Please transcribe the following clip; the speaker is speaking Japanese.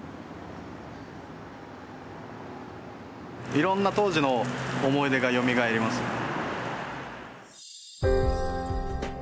いろんな当時の思い出がよみがえりますね